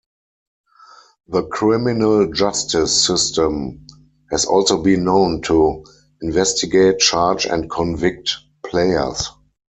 The criminal justice system has also been known to investigate, charge and convict players.